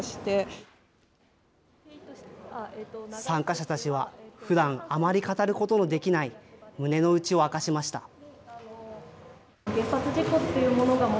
参加者たちはふだん、あまり語ることのできない胸の内を明かしました。